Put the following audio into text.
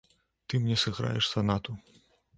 Ты мне сыграеш санату.